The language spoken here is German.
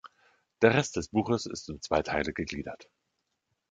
Der Rest des Buches ist in zwei Teile gegliedert.